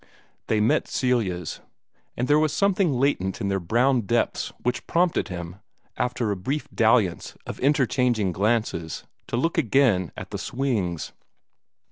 They met Celia's; and there was something latent in their brown depths which prompted him, after a brief dalliance of interchanging glances, to look again at the swings.